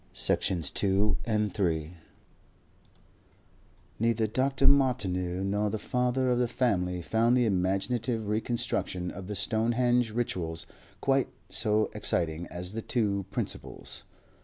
Section 2 Neither Dr. Martineau nor the father of the family found the imaginative reconstruction of the Stonehenge rituals quite so exciting as the two principals.